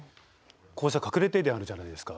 こうした隠れ停電あるじゃないですか